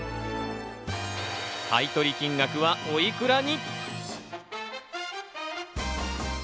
買い取り金額はおいくらに？